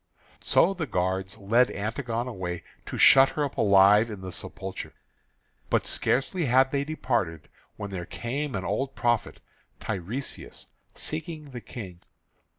So the guards led Antigone away to shut her up alive in the sepulchre. But scarcely had they departed when there came an old prophet Tiresias, seeking the King.